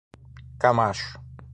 Camacho